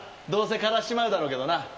どうせ枯らしちまうだろうけどな。